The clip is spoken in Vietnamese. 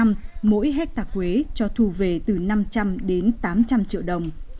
mỗi hectare quế cho thu về từ năm trăm linh đến tám trăm linh triệu đồng